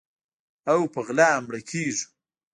او په غلا مړه کیږو